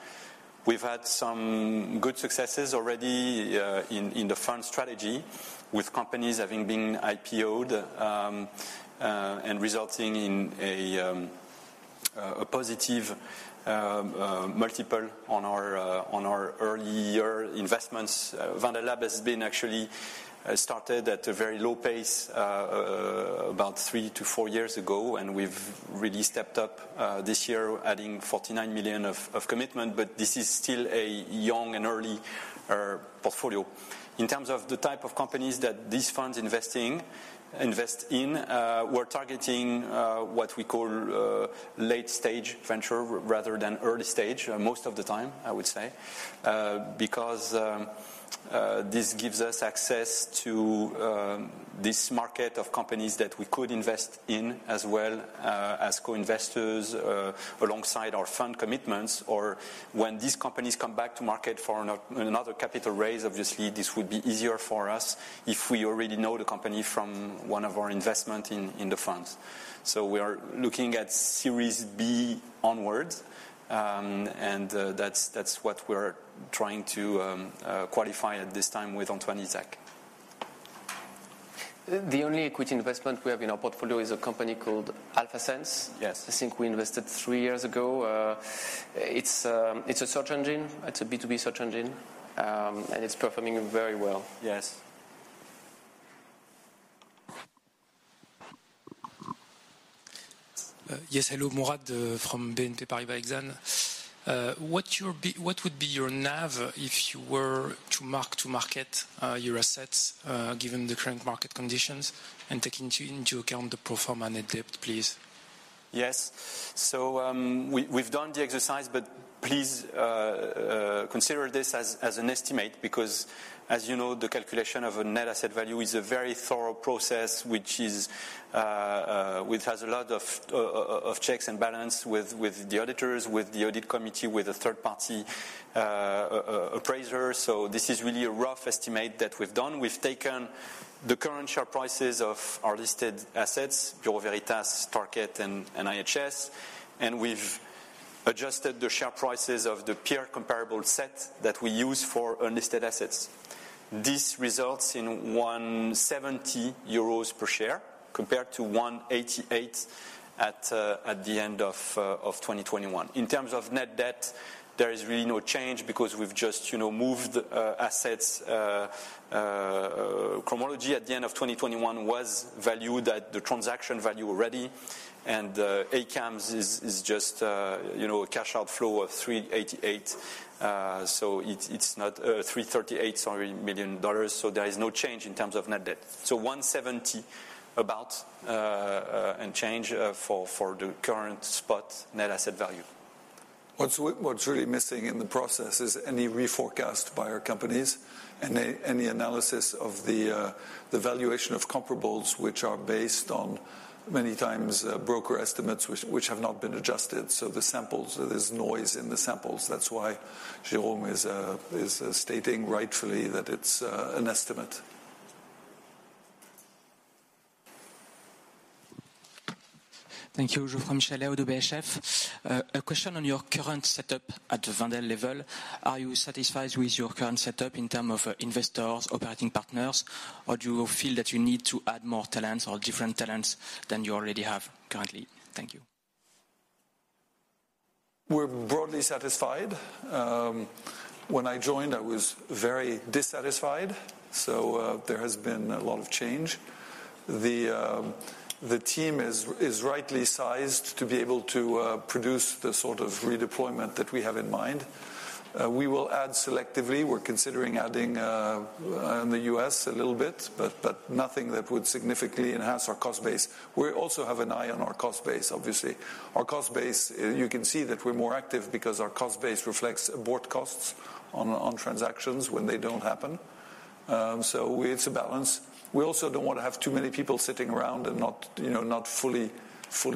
We've had some good successes already in the fund strategy with companies having been IPO'd and resulting in a positive multiple on our earlier investments. Wendel Lab has been actually started at a very low pace about three to four years ago, and we've really stepped up this year adding 49 million of commitment, but this is still a young and early portfolio. In terms of the type of companies that these funds invest in, we're targeting what we call late-stage venture rather than early-stage most of the time, I would say. Because this gives us access to this market of companies that we could invest in as well as co-investors alongside our fund commitments. When these companies come back to market for another capital raise, obviously this would be easier for us if we already know the company from one of our investments in the funds. We are looking at Series B onwards. That's what we're trying to qualify at this time with Antoine Izsak. The only equity investment we have in our portfolio is a company called AlphaSense. Yes. I think we invested three years ago. It's a search engine. It's a B2B search engine. It's performing very well. Yes. Yes. Hello. Mourad from BNP Paribas Exane. What would be your NAV if you were to mark to market your assets, given the current market conditions and taking into account the pro forma net debt, please? Yes. We've done the exercise, but please consider this as an estimate because as you know, the calculation of a net asset value is a very thorough process, which has a lot of checks and balance with the auditors, with the audit committee, with a third party appraiser. This is really a rough estimate that we've done. We've taken the current share prices of our listed assets, Bureau Veritas, Tarkett, and IHS, and we've adjusted the share prices of the peer comparable set that we use for unlisted assets. This results in 170 euros per share compared to 188 at the end of 2021. In terms of net debt, there is really no change because we've just, you know, moved assets. Cromology at the end of 2021 was valued at the transaction value already. ACAMS is just, you know, a cash outflow of $338 million. There is no change in terms of net debt. The net debt is about EUR 170 and change for the current spot net asset value. What's really missing in the process is any reforecast by our companies and any analysis of the valuation of comparables which are based on many times broker estimates which have not been adjusted. The samples, there's noise in the samples. That's why Jérôme is stating rightfully that it's an estimate. Thank you. Joe from Shelley at UBS. A question on your current setup at the Wendel level. Are you satisfied with your current setup in terms of investors, operating partners? Or do you feel that you need to add more talents or different talents than you already have currently? Thank you. We're broadly satisfied. When I joined, I was very dissatisfied, so there has been a lot of change. The team is rightly sized to be able to produce the sort of redeployment that we have in mind. We will add selectively. We're considering adding in the U.S. a little bit, but nothing that would significantly enhance our cost base. We also have an eye on our cost base, obviously. Our cost base, you can see that we're more active because our cost base reflects abort costs on transactions when they don't happen. It's a balance. We also don't want to have too many people sitting around and not, you know, not fully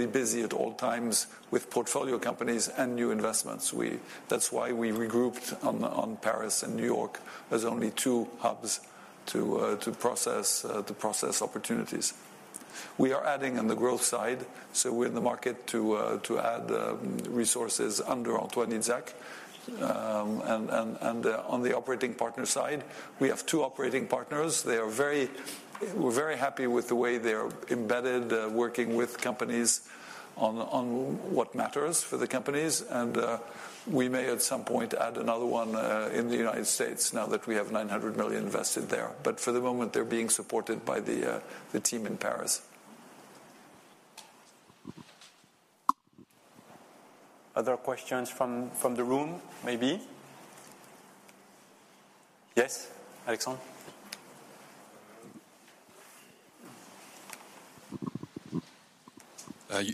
busy at all times with portfolio companies and new investments. That's why we regrouped on Paris and New York as only two hubs to process opportunities. We are adding on the growth side, so we're in the market to add resources under Antoine Izsak. On the operating partner side, we have two operating partners. We're very happy with the way they are embedded, working with companies on what matters for the companies. We may at some point add another one in the United States now that we have 900 million invested there. For the moment, they're being supported by the team in Paris. Other questions from the room, maybe? Yes, Alexandre.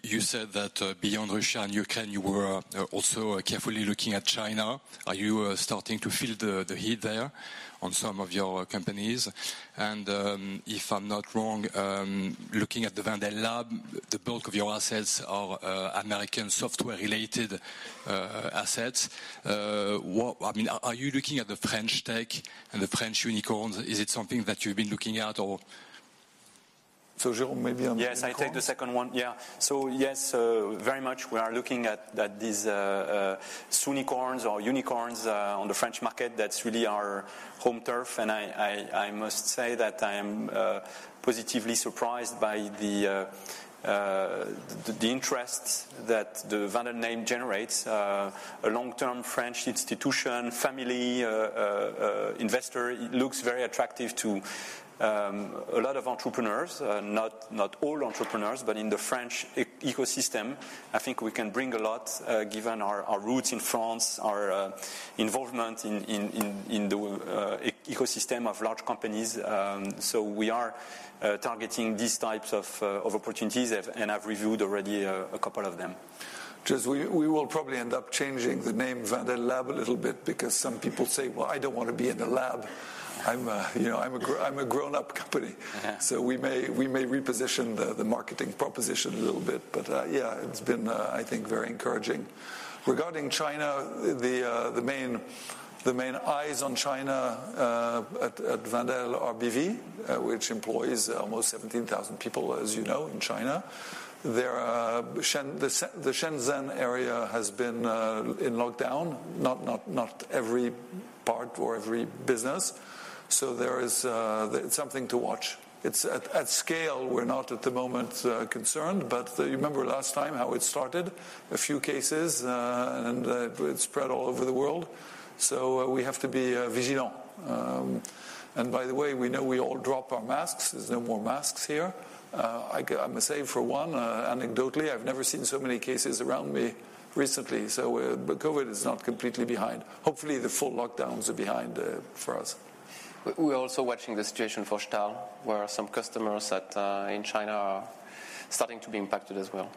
You said that, beyond Russia and Ukraine, you were also carefully looking at China. Are you starting to feel the heat there on some of your companies? If I'm not wrong, looking at the Wendel Lab, the bulk of your assets are American software-related assets. I mean, are you looking at the French tech and the French unicorns? Is it something that you've been looking at or? Jérôme, maybe on unicorns. Yes, I take the second one. Yeah. Yes, very much we are looking at these sunicorns or unicorns on the French market. That's really our home turf. I must say that I am positively surprised by the interest that the Wendel name generates. A long-term French institution, family investor looks very attractive to a lot of entrepreneurs. Not all entrepreneurs, but in the French ecosystem, I think we can bring a lot, given our roots in France, our involvement in the ecosystem of large companies. We are targeting these types of opportunities and have reviewed already a couple of them. We will probably end up changing the name Wendel Lab a little bit because some people say, "Well, I don't wanna be in a lab. I'm a, you know, I'm a grown-up company." We may reposition the marketing proposition a little bit. But, yeah, it's been, I think, very encouraging. Regarding China, the main eyes on China at Wendel are BV, which employs almost 17,000 people, as you know, in China. The Shenzhen area has been in lockdown, not every part or every business. There is something to watch. It's at scale, we're not at the moment concerned. You remember last time how it started, a few cases, and it spread all over the world. We have to be vigilant. By the way, we know we all drop our masks. There's no more masks here. I must say for one, anecdotally, I've never seen so many cases around me recently, but COVID is not completely behind. Hopefully, the full lockdowns are behind for us. We're also watching the situation for Stahl, where some customers in China are starting to be impacted as well.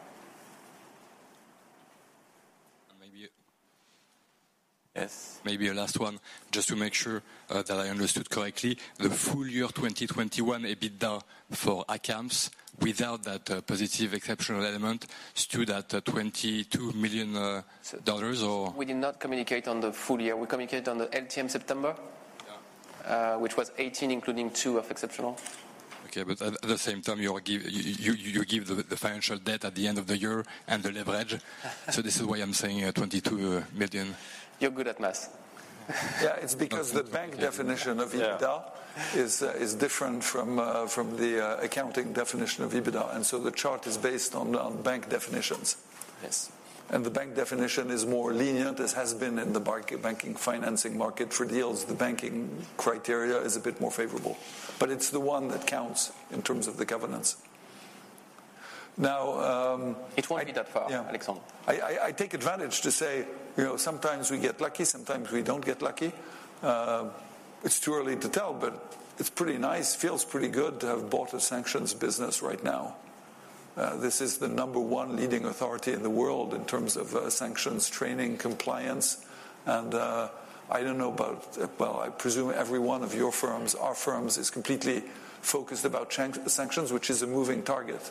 And maybe- Yes. Maybe a last one, just to make sure that I understood correctly. The full year 2021 EBITDA for ACAMS, without that positive exceptional element, stood at $22 million or? We did not communicate on the full year. We communicate on the LTM September. Yeah. which was 18, including 2 of exceptional. Okay, at the same time, you give the financial debt at the end of the year and the leverage. This is why I'm saying 22 million. You're good at math. Yeah, it's because the bank definition of EBITDA. Yeah... is different from the accounting definition of EBITDA, and so the chart is based on the bank definitions. Yes. The bank definition is more lenient, as has been in the banking financing market for deals. The banking criteria is a bit more favorable. It's the one that counts in terms of the governance. Now, I- It won't be that far. Yeah Alexandre. I take advantage to say, you know, sometimes we get lucky, sometimes we don't get lucky. It's too early to tell, but it's pretty nice. Feels pretty good to have bought a sanctions business right now. This is the number one leading authority in the world in terms of sanctions training compliance. I don't know about, well, I presume every one of your firms, our firms, is completely focused about sanctions, which is a moving target.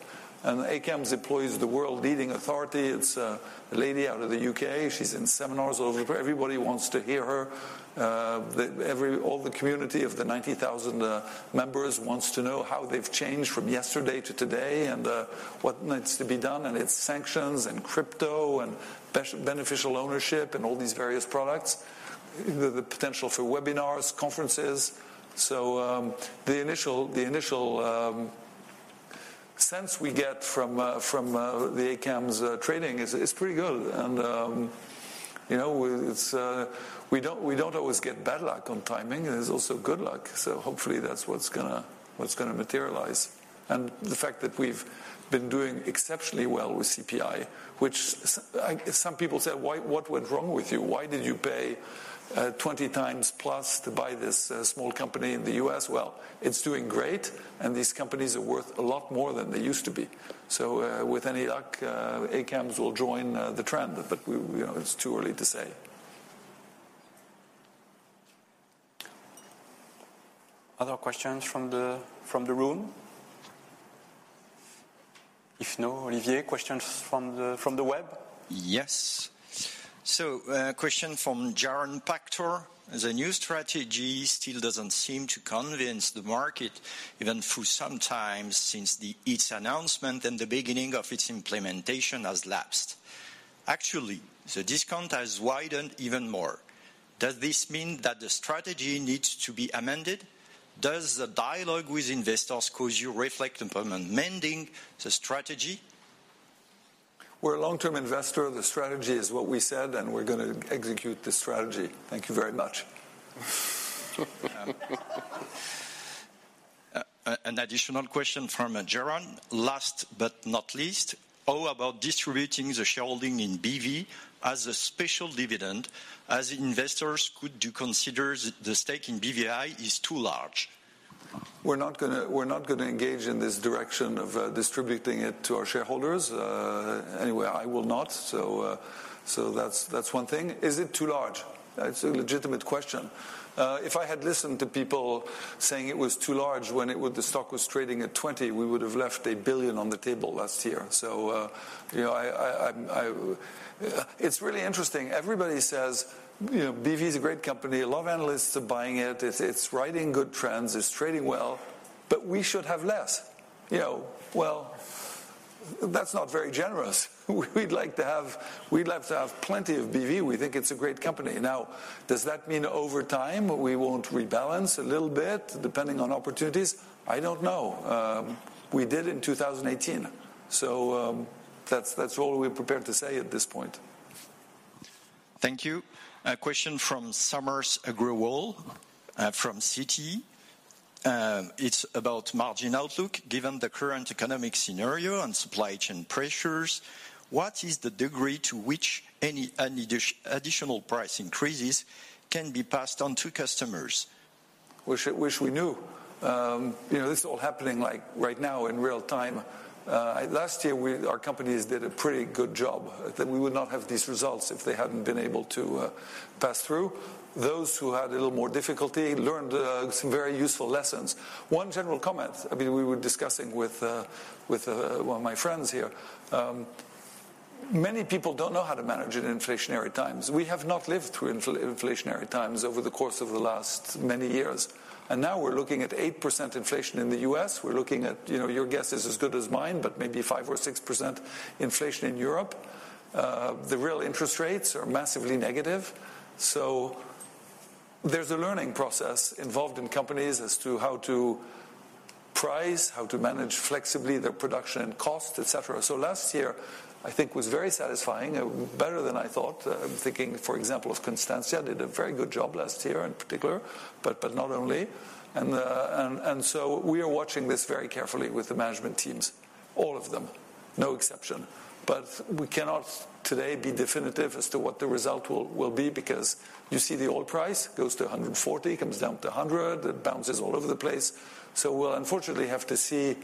ACAMS employs the world-leading authority. It's a lady out of the U.K., she's in seminars all over. Everybody wants to hear her. The community of the 90,000 members wants to know how they've changed from yesterday to today, and what needs to be done. It's sanctions and crypto and beneficial ownership and all these various products. The potential for webinars, conferences. The initial sense we get from the ACAMS training is pretty good. You know, it's we don't always get bad luck on timing. There's also good luck. Hopefully that's what's gonna materialize. The fact that we've been doing exceptionally well with CPI, which, like some people say, "What went wrong with you? Why did you pay 20 times plus to buy this small company in the U.S.?" Well, it's doing great, and these companies are worth a lot more than they used to be. With any luck, ACAMS will join the trend, but we, you know, it's too early to say. Other questions from the room? If no, Olivier, questions from the web? Question from Joren Van Aken: The new strategy still doesn't seem to convince the market, even though some time since its announcement and the beginning of its implementation has lapsed. Actually, the discount has widened even more. Does this mean that the strategy needs to be amended? Does the dialogue with investors cause you to reflect upon amending the strategy? We're a long-term investor. The strategy is what we said, and we're gonna execute the strategy. Thank you very much. An additional question from Joren. Last but not least, how about distributing the shareholding in BV as a special dividend, as investors consider the stake in BV is too large? We're not gonna engage in this direction of distributing it to our shareholders. Anyway, I will not. That's one thing. Is it too large? It's a legitimate question. If I had listened to people saying it was too large when the stock was trading at 20, we would have left a billion on the table last year. You know, it's really interesting. Everybody says, you know, "BV is a great company. A lot of analysts are buying it. It's riding good trends. It's trading well, but we should have less." You know, well, that's not very generous. We'd like to have plenty of BV. We think it's a great company. Now, does that mean over time we won't rebalance a little bit depending on opportunities? I don't know. We did in 2018. That's all we're prepared to say at this point. Thank you. A question from Sambasiva Rao from Citi. It's about margin outlook. Given the current economic scenario and supply chain pressures, what is the degree to which any additional price increases can be passed on to customers? Wish we knew. You know, this is all happening, like, right now in real time. Last year, our companies did a pretty good job, that we would not have these results if they hadn't been able to pass through. Those who had a little more difficulty learned some very useful lessons. One general comment, I mean, we were discussing with one of my friends here. Many people don't know how to manage in inflationary times. We have not lived through inflationary times over the course of the last many years. Now we're looking at 8% inflation in the U.S. We're looking at, you know, your guess is as good as mine, but maybe 5% or 6% inflation in Europe. The real interest rates are massively negative. There's a learning process involved in companies as to how to price, how to manage flexibly their production and cost, et cetera. Last year, I think, was very satisfying, better than I thought. I'm thinking, for example, of Constantia, did a very good job last year in particular, but not only. And so we are watching this very carefully with the management teams, all of them, no exception. But we cannot today be definitive as to what the result will be, because you see the oil price goes to 140, comes down to 100, it bounces all over the place. We'll unfortunately have to see,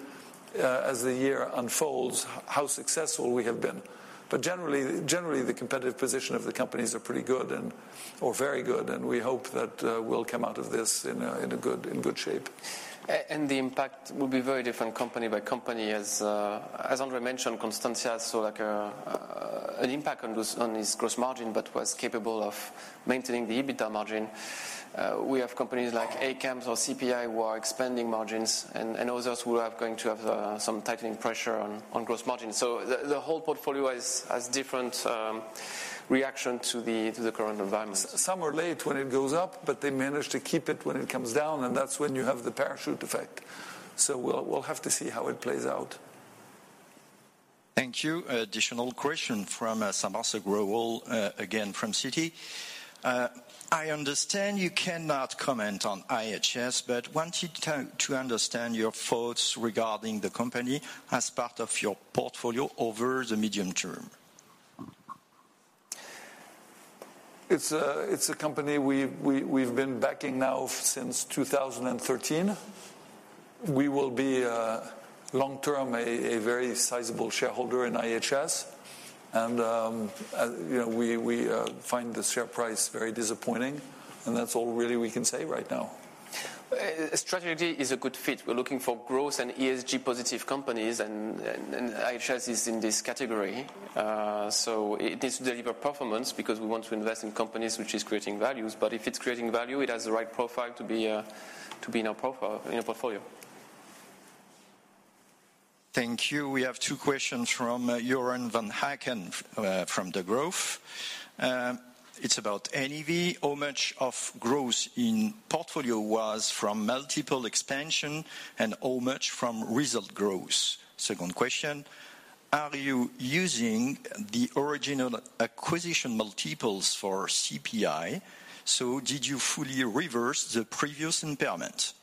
as the year unfolds how successful we have been. Generally, the competitive position of the companies are pretty good and, or very good, and we hope that we'll come out of this in good shape. The impact will be very different company by company. As André mentioned, Constantia saw like an impact on this gross margin, but was capable of maintaining the EBITDA margin. We have companies like ACAMS or CPI who are expanding margins and others who are going to have some tightening pressure on gross margins. The whole portfolio has different reaction to the current environment. Some are late when it goes up, but they manage to keep it when it comes down, and that's when you have the parachute effect. We'll have to see how it plays out. Thank you. Additional question from Sambasiva Rao, again from Citi. I understand you cannot comment on IHS, but wanted to understand your thoughts regarding the company as part of your portfolio over the medium term. It's a company we've been backing now since 2013. We will be, long-term, a very sizable shareholder in IHS. You know, we find the share price very disappointing, and that's all really we can say right now. It strategically is a good fit. We're looking for growth and ESG positive companies and IHS is in this category. It needs to deliver performance because we want to invest in companies which is creating values. If it's creating value, it has the right profile to be in our portfolio. Thank you. We have two questions from Joren Van Aken from Degroof. It's about NAV. How much of growth in portfolio was from multiple expansion and how much from result growth? Second question, are you using the original acquisition multiples for CPI? Did you fully reverse the previous impairment?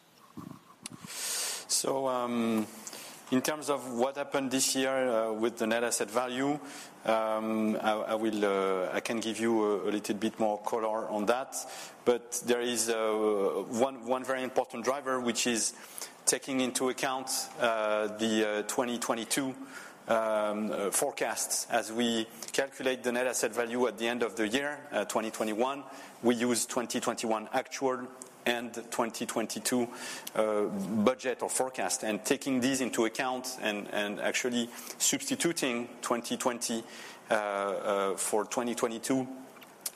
In terms of what happened this year with the net asset value, I can give you a little bit more color on that. There is one very important driver which is taking into account the 2022 forecasts. As we calculate the net asset value at the end of the year, 2021, we use 2021 actual and 2022 budget or forecast. Taking these into account and actually substituting 2020 for 2022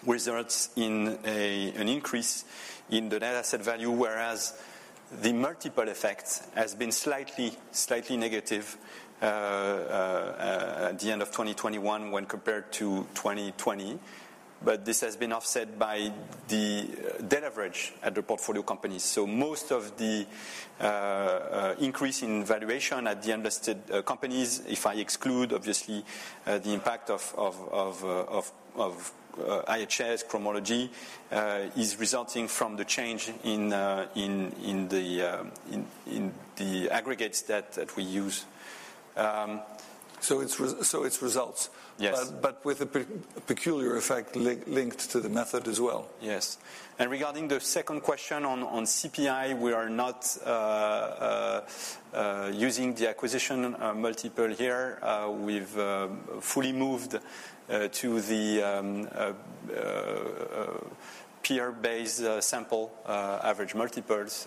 results in an increase in the net asset value, whereas the multiple effects has been slightly negative at the end of 2021 when compared to 2020. This has been offset by the de-leverage at the portfolio companies. Most of the increase in valuation at the invested companies, if I exclude obviously the impact of IHS, Cromology, is resulting from the change in the aggregate debt that we use. It's results. Yes. with a peculiar effect linked to the method as well. Yes. Regarding the second question on CPI, we are not using the acquisition multiple here. We've fully moved to the peer-based sample average multiples.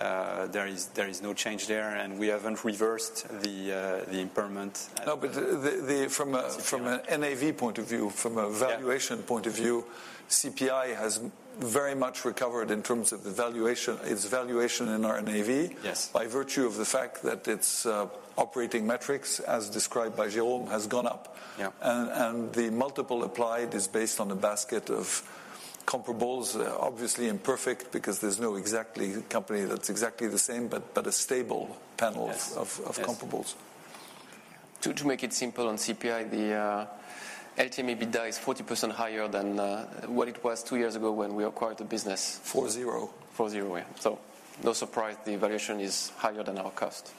There is no change there, and we haven't reversed the impairment. From a CPI from a NAV point of view, from a valuation Yeah point of view, CPI has very much recovered in terms of the valuation, its valuation in our NAV. Yes... by virtue of the fact that its operating metrics, as described by Jérôme, has gone up. Yeah. The multiple applied is based on a basket of comparables, obviously imperfect because there's no exact company that's exactly the same, but a stable panel. Yes. Yes of comparables. To make it simple on CPI, the LTM EBITDA is 40% higher than what it was two years ago when we acquired the business. 40. 40, yeah. No surprise the valuation is higher than our cost.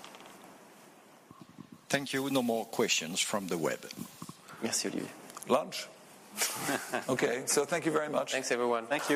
Thank you. No more questions from the web. Merci, Olivier. Lunch? Okay. Thank you very much. Thanks, everyone. Thank you.